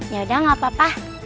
yaudah enggak apa apa